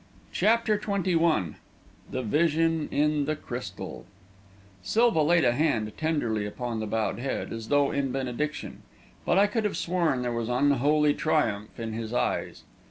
CHAPTER XXI THE VISION IN THE CRYSTAL Silva laid a hand tenderly upon the bowed head, as though in benediction, but I could have sworn there was unholy triumph in his eyes.